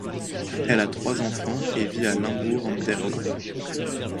Elle a trois enfants et vit à Limburg an der Lahn.